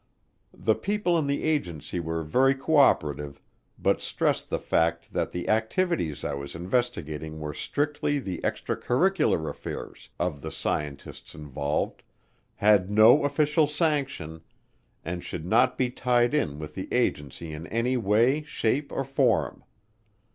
The people in the agency were very co operative but stressed the fact that the activities I was investigating were strictly the extracurricular affairs of the scientists involved, had no official sanction, and should not be tied in with the agency in any way, shape, or form.